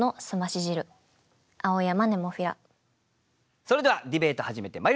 それではディベート始めてまいりましょう。